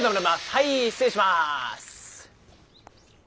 はい失礼します。